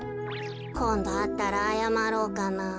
こんどあったらあやまろうかな。